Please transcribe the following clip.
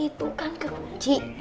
itu kan kerunci